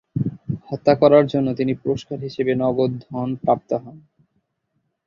হত্যা করার জন্য তিনি পুরস্কার হিসেবে নগদ ধন প্রাপ্ত করেন।